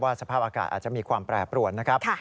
สภาพอากาศอาจจะมีความแปรปรวนนะครับ